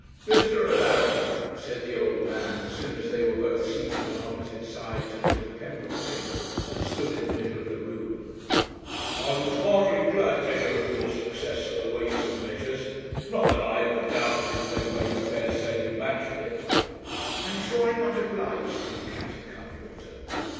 'Mr. Alaric,' said the old man, as soon as they were both seated on opposite sides of a little Pembroke table that stood in the middle of the room, 'I was heartily glad to hear of your success at the Weights and Measures; not that I ever doubted it if they made a fair sailing match of it.' 'I am sure I am much obliged to you, Captain Cuttwater.'